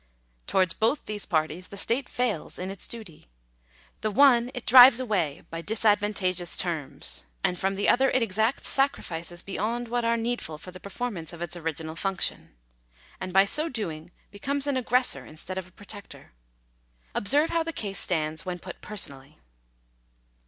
Towards both these parties the state fails in its duty. The one it drives away by disadvantageous terms ; and from the other it exacts sacrifices beyond what are needful for the performance of its original function ; and by so doing be comes an aggressor instead of a protector. Observe how the case stands when put personally.